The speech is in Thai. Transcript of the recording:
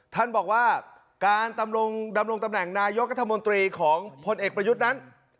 ท่านบอกว่าการดำรงตำแหน่งนายกรัฐมนตรีของพลเอกประยุทธ์นั้น